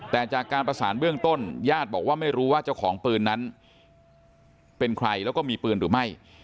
แต่จากการประสานเบื้องต้นญาติบอกว่าไม่รู้ว่าเจ้าของปืนนั้นเป็นใครแล้วก็มีปืนหรือไม่